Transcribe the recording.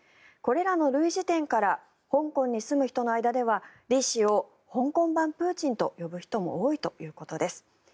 これらの類似点から香港に住む人の間ではリ氏を香港版プーチンと呼ぶ人も多いということです。